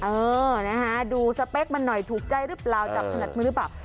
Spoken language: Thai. เออนะฮะดูสเปคมันหน่อยถูกใจหรือเปล่าจับถนัดมือหรือเปล่า